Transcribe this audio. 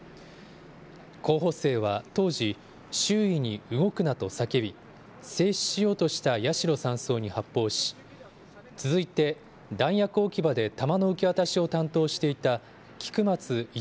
候補生は当時、周囲に動くなと叫び、制止しようとした八代３曹に発砲し、続いて弾薬置き場で弾の受け渡しを担当していた菊松１